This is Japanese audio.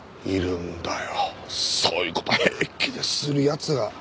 いるんだよそういうこと平気でするやつが。